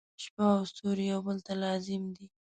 • شپه او ستوري یو بل ته لازم دي.